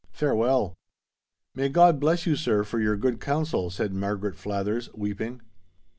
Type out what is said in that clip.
Farewell." "May God bless you, sir, for your good counsel!" said Margaret Flathers, weeping.